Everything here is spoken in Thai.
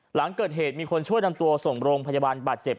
หลังเกิดเหตุมีคนช่วยนำตัวส่งโรงพยาบาลบาดเจ็บ